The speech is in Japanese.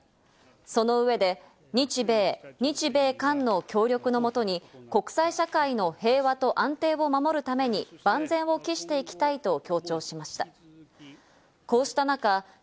その上で、日米、日米韓の協力のもとに、国際社会の平和と安定を守るために万全を期していきたいと強調しました。